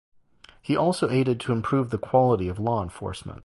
He also aided to improve the quality of law enforcement.